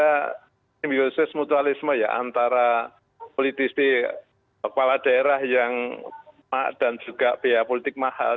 ada simbiosis mutualisme ya antara politisi kepala daerah yang mahal dan juga biaya politik mahal